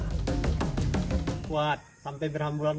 kuat sampai berhamburan